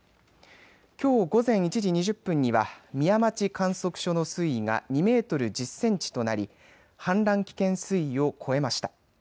きょう午前１時２０分には宮町観測所の水位が２メートル１０センチとなり氾濫危険水位を超えました。